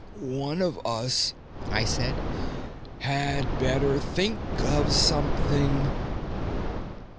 "One of us," I said, "had better think of something."